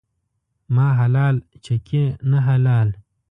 ما حلال ، چکي نه حلال.